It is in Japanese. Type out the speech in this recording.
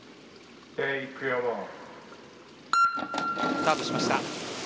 スタートしました。